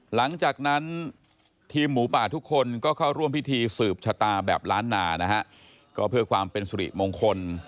หลังจากนั้นทีมหมูป่าทุกคนก็เข้าร่วมพิธีสืบชะตาแบบล้านนานะฮะก็เพื่อความเป็นสุริมงคล